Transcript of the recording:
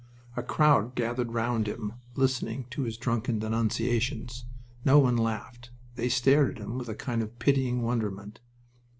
A crowd gathered round him, listening to his drunken denunciations. No one laughed. They stared at him with a kind of pitying wonderment.